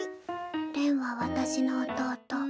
れんは私の弟。